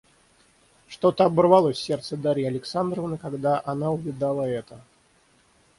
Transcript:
Что-то оборвалось в сердце Дарьи Александровны, когда она увидала это.